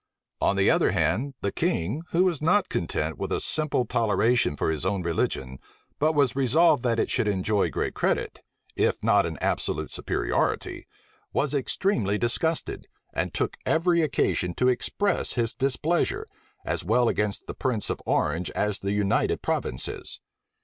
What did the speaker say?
On the other hand, the king, who was not content with a simple toleration for his own religion, but was resolved that it should enjoy great credit, if not an absolute superiority, was extremely disgusted, and took every occasion to express his displeasure, as well against the prince of Orange as the United Provinces.